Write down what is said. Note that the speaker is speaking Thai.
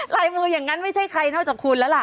ลายมืออย่างนั้นไม่ใช่ใครนอกจากคุณแล้วล่ะ